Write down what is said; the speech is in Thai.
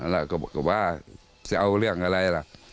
แล้วก็ว่าจะเอาเรื่องอะไรล่ะ